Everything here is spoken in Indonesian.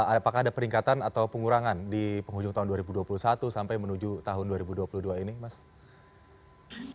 apakah ada peningkatan atau pengurangan di penghujung tahun dua ribu dua puluh satu sampai menuju tahun dua ribu dua puluh dua ini mas